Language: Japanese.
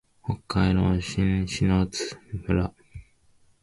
北海道新篠津村